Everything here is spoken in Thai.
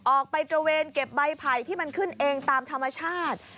ออกไปตระเวนเก็บใบไผ่ที่มันขึ้นเองตามธรรมชาติ